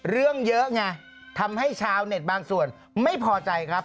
เรื่องเยอะไงทำให้ชาวเน็ตบางส่วนไม่พอใจครับ